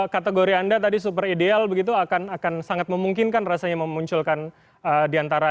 kategori anda tadi super ideal begitu akan akan sangat memungkinkan rasanya memunculkan diantara